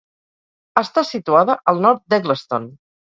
Està situada al nord d'Eggleston.